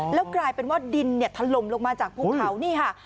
แล้วกลายเป็นว่าดินเนี่ยถล่มลงมาจากภูเขานี่ค่ะ